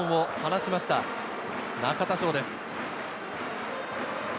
その１本を放ちました、中田翔です。